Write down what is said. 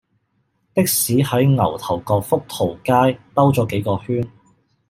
的士喺牛頭角福淘街兜左幾個圈